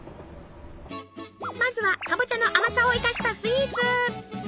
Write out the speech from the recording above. まずはかぼちゃの甘さを生かしたスイーツ。